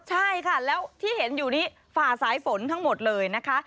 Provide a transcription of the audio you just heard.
ใช่ค่ะแล้วที่เห็นอยู่นี้ฝ่าสายฝนทั้งหมดเลยนะคะ